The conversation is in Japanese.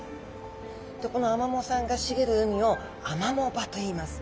このアマモさんがしげる海をアマモ場といいます。